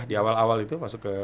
di awal awal itu masuk ke